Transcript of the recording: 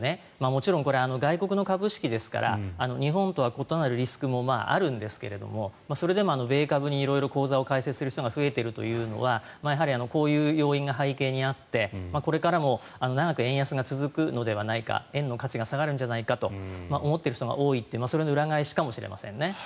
もちろん、外国の株式ですから日本とは異なるリスクもあるんですがそれでも米株に色々口座を開設する人が増えているというのは、やはりこういう要因が背景にあってこれからも長く円安が続くのではないか円の価値が下がるんじゃないかと思っている人が多いというそれの裏返しかもしれませんね。